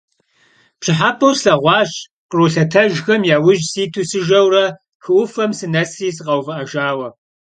Пщӏыхьэпӏэу слъэгъуащ къру лъэтэжхэм яужь ситу сыжэурэ, хы ӏуфэм сынэсри сыкъэувыӏэжауэ.